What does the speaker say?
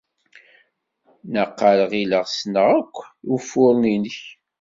Naqal ɣileɣ ssneɣ akk ufuren-nnek.